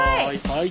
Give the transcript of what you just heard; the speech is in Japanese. はい。